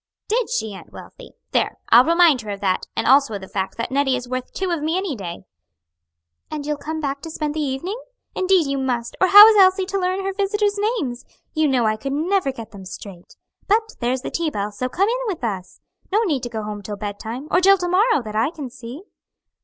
"Did she, Aunt Wealthy? There, I'll remind her of that, and also of the fact that Nettie is worth two of me any day." "And you'll come back to spend the evening? Indeed you must, or how is Elsie to learn her visitors' names? You know I could never get them straight. But there's the tea bell, so come in with us. No need to go home till bed time, or till to morrow, that I can see."